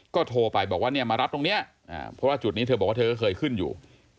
ก็โทรไปบอกว่าเนี่ยมารับตรงนี้เพราะว่าจุดนี้เธอบอกว่าเธอก็เคยขึ้นอยู่